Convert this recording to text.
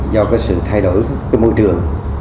do sự thay đổi môi trường